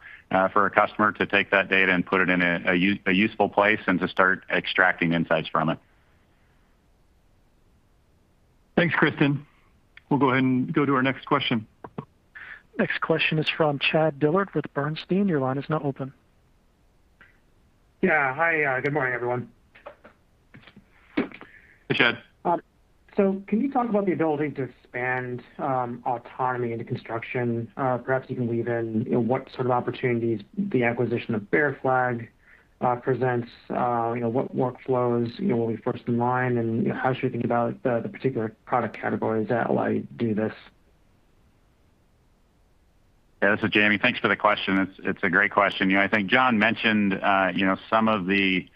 for a customer to take that data and put it in a useful place and to start extracting insights from it. Thanks, Kristen. We'll go ahead and go to our next question. Next question is from Chad Dillard with Bernstein. Your line is now open. Yeah. Hi, good morning everyone. Hey, Chad. Can you talk about the ability to expand autonomy into construction? Perhaps you can weave in what sort of opportunities the acquisition of Bear Flag presents. What workflows will be first in line, and how should we think about the particular product categories that allow you to do this? Yeah, this is Jahmy. Thanks for the question. It's a great question. I think John mentioned some of the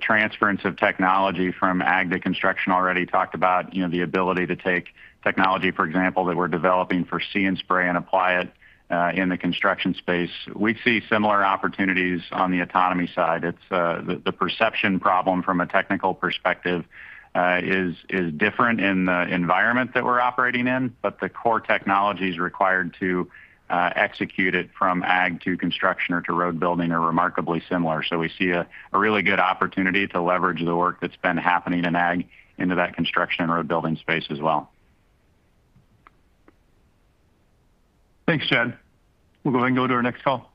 transference of technology from ag to construction already, talked about the ability to take technology, for example, that we're developing for See & Spray and apply it in the construction space. We see similar opportunities on the autonomy side. It's the perception problem from a technical perspective is different in the environment that we're operating in, but the core technologies required to execute it from ag to construction or to road building are remarkably similar. We see a really good opportunity to leverage the work that's been happening in ag into that construction and road building space as well. Thanks, Chad. We'll go ahead and go to our next call.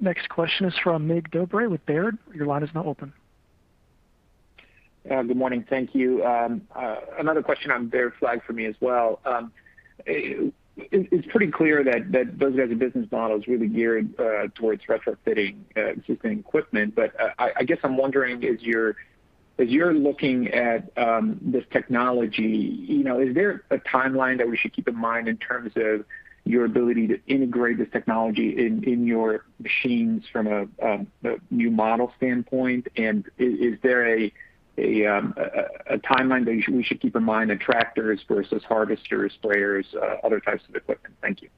Next question is from Mircea Dobre with Baird. Your line is now open. Good morning. Thank you. Another question on Bear Flag for me as well. It's pretty clear that does have the business model is really geared towards retrofitting existing equipment. I guess I'm wondering, as you're looking at this technology, is there a timeline that we should keep in mind in terms of your ability to integrate this technology in your machines from a new model standpoint? Is there a timeline that we should keep in mind of tractors versus harvesters, sprayers, other types of equipment? Thank you.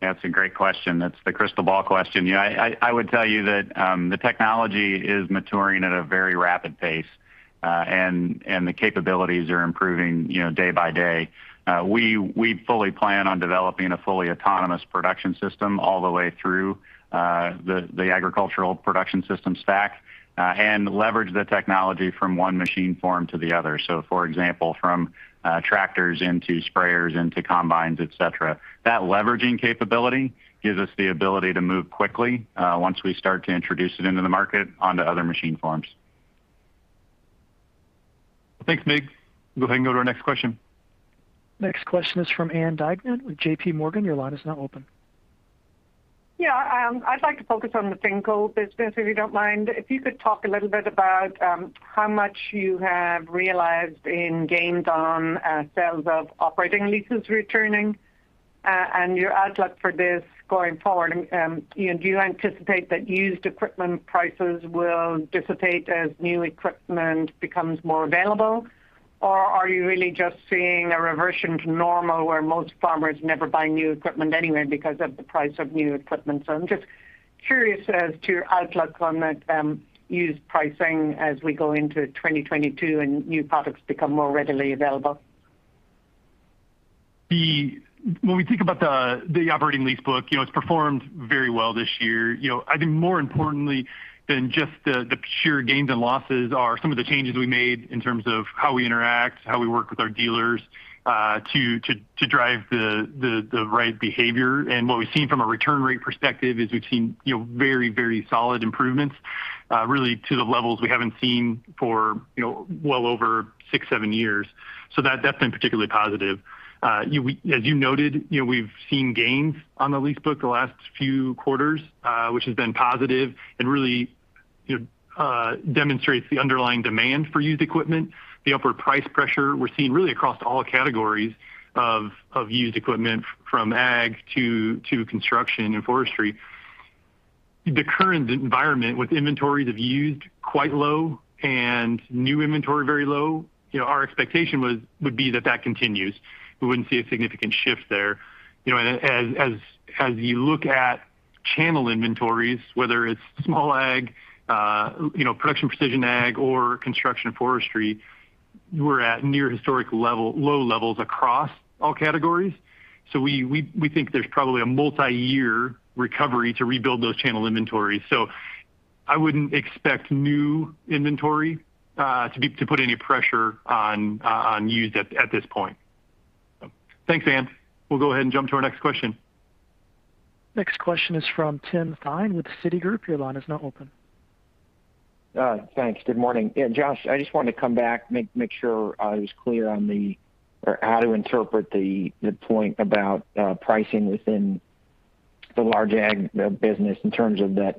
That's a great question. That's the crystal ball question. I would tell you that the technology is maturing at a very rapid pace, and the capabilities are improving day by day. We fully plan on developing a fully autonomous production system all the way through the agricultural production system stack, and leverage the technology from one machine form to the other. For example, from tractors into sprayers, into combines, et cetera. That leveraging capability gives us the ability to move quickly once we start to introduce it into the market onto other machine forms. Thanks, Mircea. Go ahead and go to our next question. Next question is from Ann Duignan with J.P. Morgan. Your line is now open. Yeah. I'd like to focus on the FinCo business, if you don't mind. If you could talk a little bit about how much you have realized in gains on sales of operating leases returning, and your outlook for this going forward. Do you anticipate that used equipment prices will dissipate as new equipment becomes more available? Are you really just seeing a reversion to normal where most farmers never buy new equipment anyway because of the price of new equipment? I'm just curious as to your outlook on that used pricing as we go into 2022 and new products become more readily available. When we think about the operating lease book, it's performed very well this year. I think more importantly than just the pure gains and losses are some of the changes we made in terms of how we interact, how we work with our dealers, to drive the right behavior. What we've seen from a return rate perspective is we've seen very solid improvements, really to the levels we haven't seen for well over six, seven years. That's been particularly positive. As you noted, we've seen gains on the lease book the last few quarters, which has been positive and really demonstrates the underlying demand for used equipment, the upward price pressure we're seeing really across all categories of used equipment from ag to construction and forestry. The current environment with inventories of used quite low and new inventory very low, our expectation would be that that continues. We wouldn't see a significant shift there. As you look at channel inventories, whether it's small ag, production precision ag or construction forestry, we're at near historic low levels across all categories. We think there's probably a multi-year recovery to rebuild those channel inventories. I wouldn't expect new inventory to put any pressure on used at this point. Thanks, Ann. We'll go ahead and jump to our next question. Next question is from Tim Thein with Citigroup. Your line is now open. Thanks. Good morning. Yeah, Josh, I just wanted to come back, make sure I was clear on how to interpret the point about pricing within the large ag business in terms of that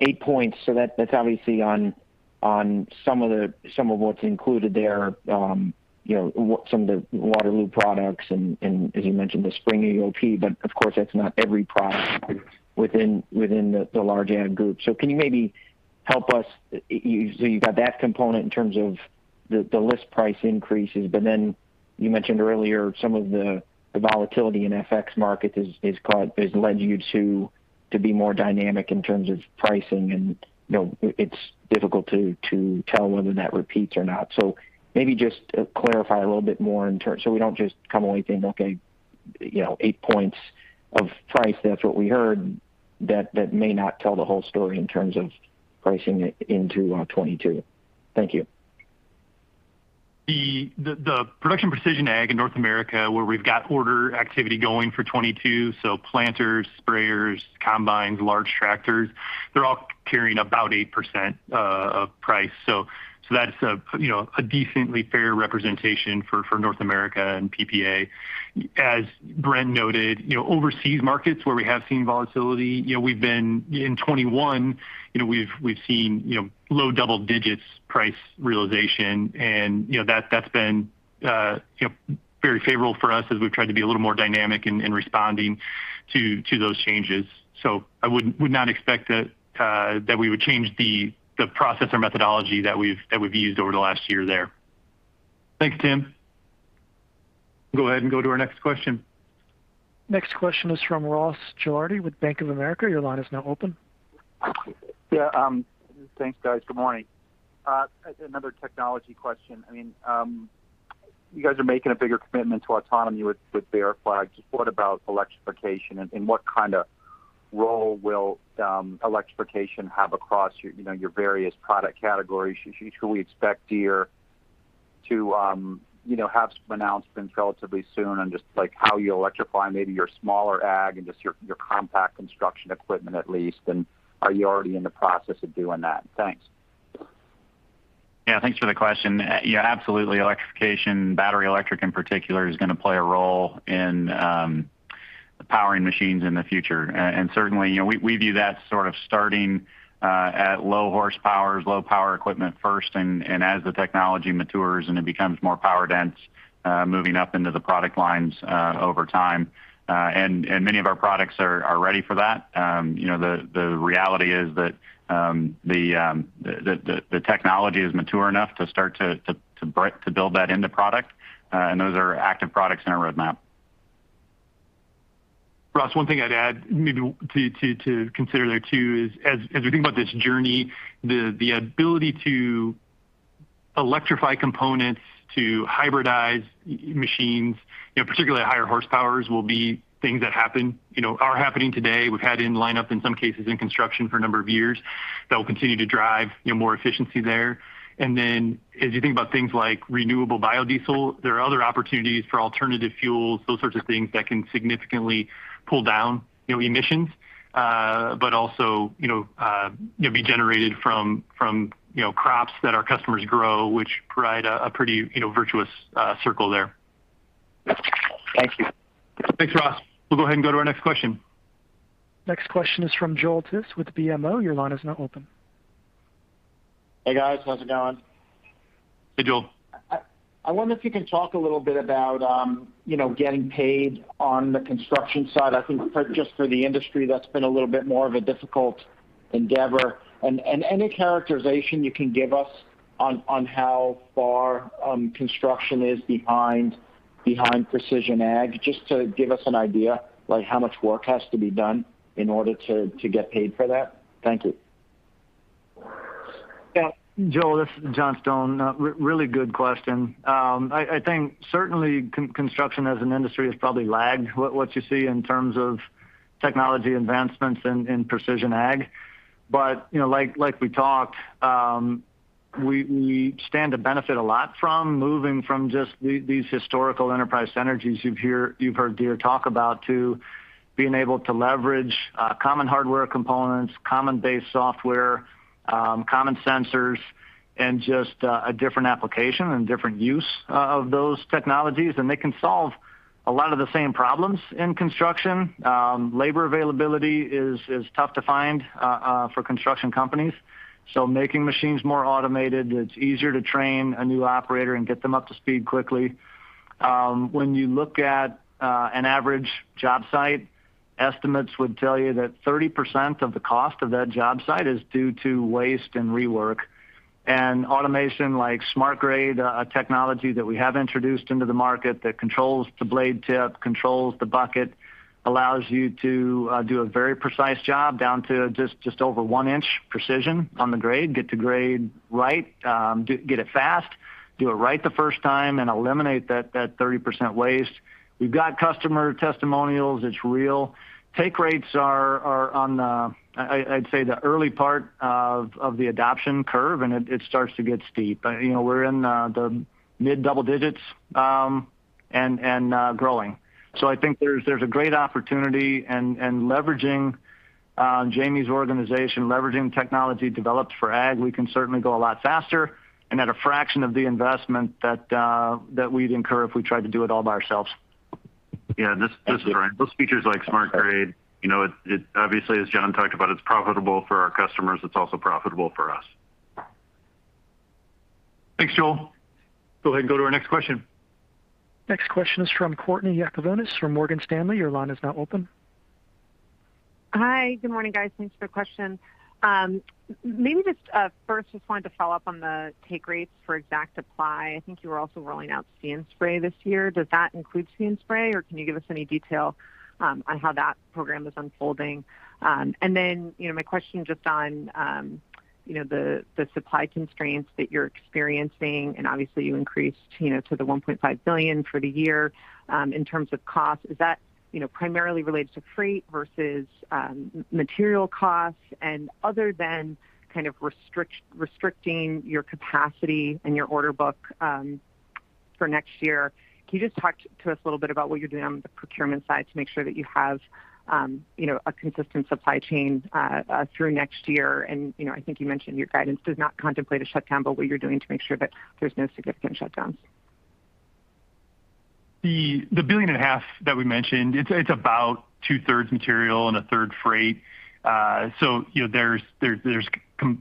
eight points. That's how we see on some of what's included there, some of the Waterloo products and as you mentioned, the spring EOP, but of course, that's not every product within the large ag group. Can you maybe help us? You've got that component in terms of the list price increases, but then you mentioned earlier some of the volatility in FX markets has led you to be more dynamic in terms of pricing. It's difficult to tell whether that repeats or not. Maybe just clarify a little bit more in terms, so we don't just come away saying, "Okay, eight points of price. That's what we heard. That may not tell the whole story in terms of pricing it into 2022. Thank you. The production precision ag in North America, where we've got order activity going for 2022. Planters, sprayers, combines, large tractors, they're all carrying about 8% of price. That's a decently fair representation for North America and PPA. As Brent noted, overseas markets where we have seen volatility, in 2021 we've seen low double digits price realization, and that's been very favorable for us as we've tried to be a little more dynamic in responding to those changes. I would not expect that we would change the process or methodology that we've used over the last year there. Thanks, Tim. Go ahead and go to our next question. Next question is from Ross Gilardi with Bank of America. Your line is now open. Yeah. Thanks, guys. Good morning. Another technology question. You guys are making a bigger commitment to autonomy with Bear Flag. Just what about electrification and what kind of role will electrification have across your various product categories? Should we expect Deere to have some announcements relatively soon on just how you electrify maybe your smaller ag and just your compact construction equipment at least, and are you already in the process of doing that? Thanks. Yeah, thanks for the question. Yeah, absolutely. Electrification, battery electric in particular, is going to play a role in powering machines in the future. Certainly, we view that sort of starting at low horsepowers, low power equipment first, and as the technology matures and it becomes more power-dense, moving up into the product lines over time. Many of our products are ready for that. The reality is that the technology is mature enough to start to build that into product, and those are active products in our roadmap. Ross, one thing I'd add maybe to consider there too is as we think about this journey, the ability to electrify components, to hybridize machines, particularly at higher horsepowers, will be things that are happening today. We've had in line-up in some cases in construction for a number of years that will continue to drive more efficiency there. As you think about things like renewable biodiesel, there are other opportunities for alternative fuels, those sorts of things that can significantly pull down emissions. Also be generated from crops that our customers grow, which provide a pretty virtuous circle there. Thank you. Thanks, Ross. We'll go ahead and go to our next question. Next question is from Joel Tiss with BMO. Your line is now open. Hey, guys. How's it going? Hey, Joel. I wonder if you can talk a little bit about getting paid on the construction side. I think just for the industry, that's been a little bit more of a difficult endeavor. Any characterization you can give us on how far construction is behind precision ag, just to give us an idea, like how much work has to be done in order to get paid for that? Thank you. Yeah. Joel, this is John Stone. Really good question. I think certainly construction as an industry has probably lagged what you see in terms of technology advancements in precision ag. Like we talked, we stand to benefit a lot from moving from just these historical enterprise synergies you've heard Deere talk about to being able to leverage common hardware components, common-based software, common sensors, and just a different application and different use of those technologies. They can solve a lot of the same problems in construction. Labor availability is tough to find for construction companies. Making machines more automated, it's easier to train a new operator and get them up to speed quickly. When you look at an average job site, estimates would tell you that 30% of the cost of that job site is due to waste and rework, and automation like SmartGrade, a technology that we have introduced into the market that controls the blade tip, controls the bucket, allows you to do a very precise job down to just over one-inch precision on the grade. Get the grade right, get it fast, do it right the first time, and eliminate that 30% waste. We've got customer testimonials. It's real. Take rates are on the, I'd say, the early part of the adoption curve, and it starts to get steep. We're in the mid-double digits and growing. I think there's a great opportunity and leveraging Jahmy's organization, leveraging technology developed for ag, we can certainly go a lot faster and at a fraction of the investment that we'd incur if we tried to do it all by ourselves. Yeah. This is Ryan. Those features like SmartGrade, obviously as John talked about, it's profitable for our customers. It's also profitable for us. Thanks, Joel. Go ahead and go to our next question. Next question is from Courtney Yakavonis from Morgan Stanley. Your line is now open. Hi. Good morning, guys. Thanks for the question. Maybe just first just wanted to follow up on the take rates for ExactApply. I think you were also rolling out See & Spray this year. Does that include See & Spray, or can you give us any detail on how that program is unfolding? My question just on the supply constraints that you're experiencing, and obviously you increased to the $1.5 billion for the year in terms of cost. Is that primarily related to freight versus material costs? Other than kind of restricting your capacity and your order book for next year, can you just talk to us a little bit about what you're doing on the procurement side to make sure that you have a consistent supply chain through next year? I think you mentioned your guidance does not contemplate a shutdown, but what you're doing to make sure that there's no significant shutdowns. The $1.5 billion that we mentioned, it's about 2/3 material and 1/3 freight. There's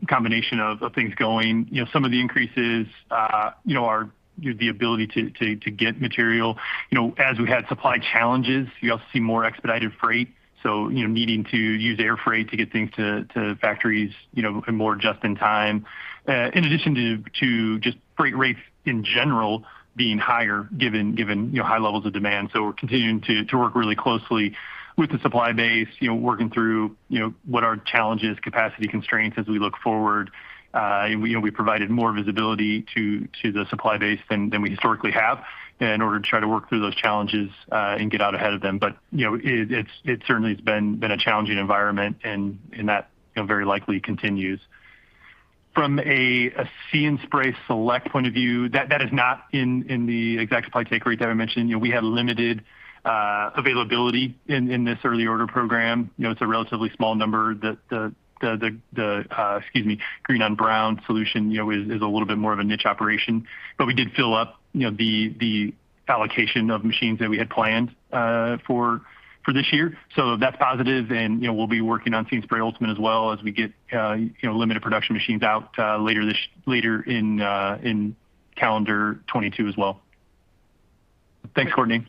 combination of things going. Some of the increases are the ability to get material. As we had supply challenges, you also see more expedited freight, so needing to use air freight to get things to factories in more just in time. In addition to just freight rates in general being higher given high levels of demand. We're continuing to work really closely with the supply base, working through what are challenges, capacity constraints as we look forward. We provided more visibility to the supply base than we historically have in order to try to work through those challenges and get out ahead of them. It certainly has been a challenging environment and that very likely continues. From a See & Spray Select point of view, that is not in the ExactApply take rate that I mentioned. We have limited availability in this early order program. It's a relatively small number green-on-brown solution is a little bit more of a niche operation. We did fill up the allocation of machines that we had planned for this year. That's positive and we'll be working on See & Spray Ultimate as well as we get limited production machines out later in calendar 2022 as well. Thanks, Courtney.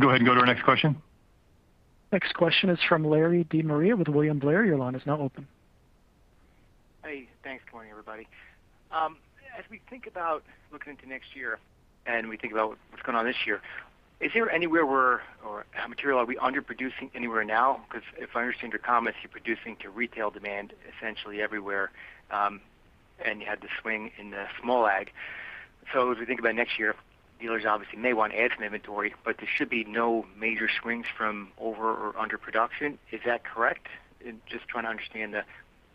Go ahead and go to our next question. Next question is from Larry DeMaria with William Blair. Your line is now open. Hey, thanks. Good morning, everybody. As we think about looking into next year, and we think about what's going on this year, is there anywhere where, or material are we underproducing anywhere now? If I understand your comments, you're producing to retail demand essentially everywhere. You had the swing in the small ag. As we think about next year, dealers obviously may want to add some inventory, but there should be no major swings from over or under production. Is that correct? Just trying to understand the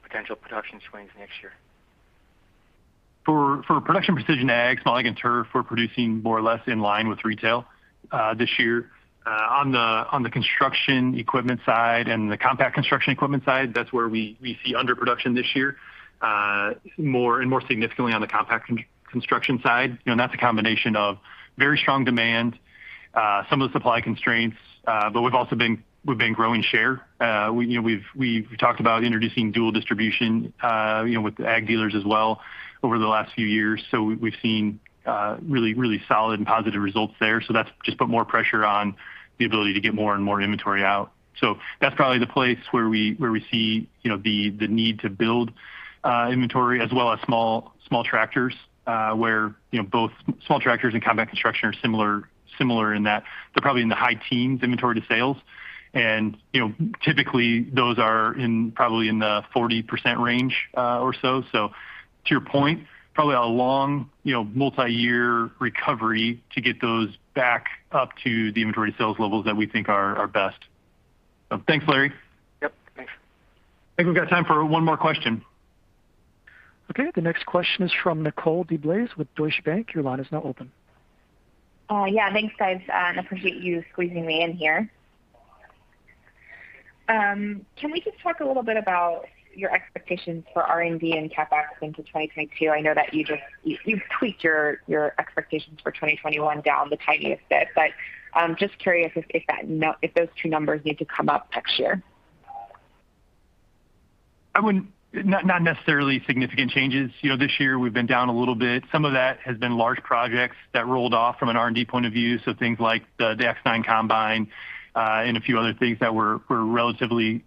potential production swings next year. For production precision ag, small ag, and turf, we're producing more or less in line with retail this year. On the construction equipment side and the compact construction equipment side, that's where we see underproduction this year. More and more significantly on the compact construction side. That's a combination of very strong demand, some of the supply constraints. We've also been growing share. We've talked about introducing dual distribution with the ag dealers as well over the last few years. We've seen really solid and positive results there. That's just put more pressure on the ability to get more and more inventory out. That's probably the place where we see the need to build inventory as well as small tractors where both small tractors and compact construction are similar in that they're probably in the high teens inventory to sales. Typically those are probably in the 40% range or so. To your point, probably a long multi-year recovery to get those back up to the inventory sales levels that we think are best. Thanks, Larry. Yep, thanks. I think we've got time for one more question. Okay, the next question is from Nicole DeBlase with Deutsche Bank. Your line is now open. Thanks, guys. I appreciate you squeezing me in here. Can we just talk a little bit about your expectations for R&D and CapEx into 2022? I know that you've tweaked your expectations for 2021 down the tiniest bit, but just curious if those two numbers need to come up next year. Not necessarily significant changes. This year we've been down a little bit. Some of that has been large projects that rolled off from an R&D point of view. Things like the X9 combine and a few other things that were relatively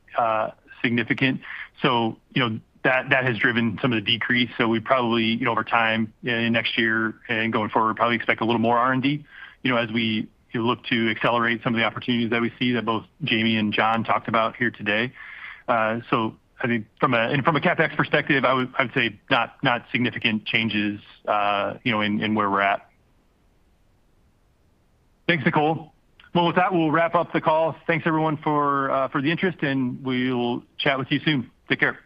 significant. That has driven some of the decrease. We probably over time, next year and going forward, probably expect a little more R&D as we look to accelerate some of the opportunities that we see that both Jamie and John talked about here today. I think from a CapEx perspective, I would say not significant changes in where we're at. Thanks, Nicole. Well, with that, we'll wrap up the call. Thanks, everyone, for the interest, and we will chat with you soon. Take care.